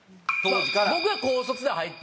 僕は高卒で入って。